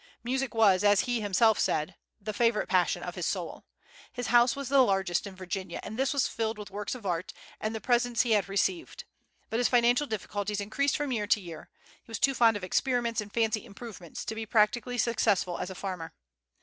Music was, as he himself said, "the favorite passion of his soul." His house was the largest in Virginia, and this was filled with works of art, and the presents he had received. But his financial difficulties increased from year to year. He was too fond of experiments and fancy improvements to be practically successful as a farmer.